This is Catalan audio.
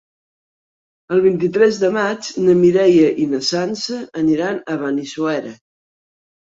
El vint-i-tres de maig na Mireia i na Sança aniran a Benissuera.